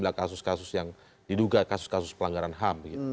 pernah tersandra sejumlah kasus kasus yang diduga kasus kasus pelanggaran ham begitu